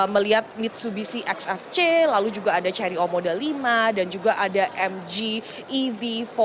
melihat mitsubishi xfc lalu juga ada chery omoda lima dan juga ada mg ev empat